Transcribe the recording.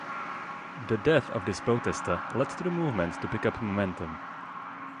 The death of this protester led to the Movement to pick up momentum.